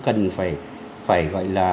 cần phải gọi là